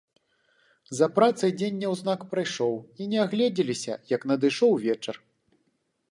За працай дзень няўзнак прайшоў, і не агледзеліся, як надышоў вечар.